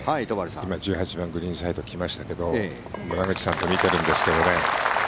今、１８番のグリーンサイドに来ましたが村口さんと見てるんですけどね。